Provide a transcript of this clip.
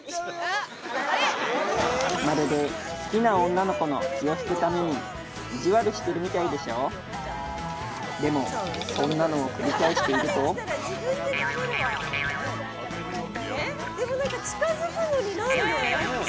まるで好きな女の子の気を引くために意地悪してるみたいでしょでもこんなのを繰り返しているとでも何か近づくのに何で？